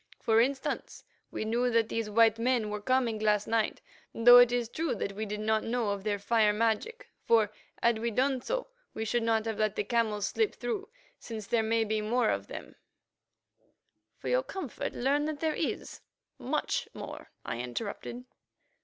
For instance, we knew that these white men were coming last night, though it is true that we did not know of their fire magic, for, had we done so, we should not have let the camels slip through, since there may be more of it on them——" "For your comfort, learn that there is—much more," I interrupted.